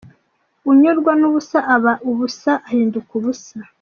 Unyurwa n’ubusa, aba ubusa, ahinduka ubusa.